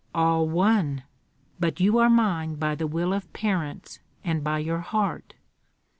"All one! but you are mine by the will of parents and by your heart."